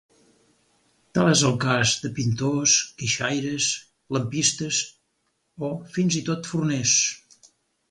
Tal és el cas de pintors, guixaires, lampistes, o fins i tot forners.